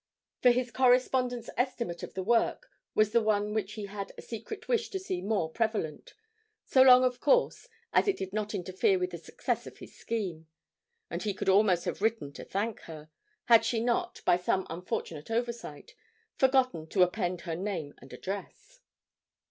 For his correspondent's estimate of the work was the one which he had a secret wish to see more prevalent (so long, of course, as it did not interfere with the success of his scheme), and he could almost have written to thank her had she not, by some unfortunate oversight, forgotten to append her name and address.